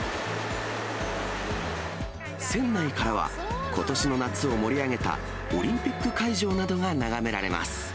船内からは、ことしの夏を盛り上げたオリンピック会場などが眺められます。